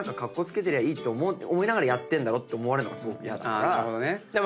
てりゃいいって思いながらやってんだろって思われるのがすごく嫌だから。